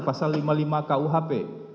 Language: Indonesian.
pengadilan pasal tiga puluh lima kuhp